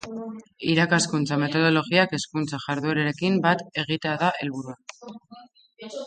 Irakaskuntza metodologiak hezkuntza jarduerekin bat egitea da helburua.